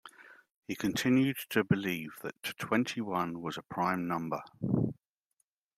He continued to believe that twenty-one was a prime number